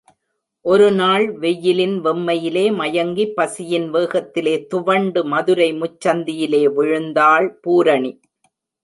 ஒரு நாள் வெயிலின் வெம்மையிலே மயங்கி பசியின் வேகத்திலே துவண்டு மதுரை முச்சந்தியிலே விழுந்தாள் பூரணி!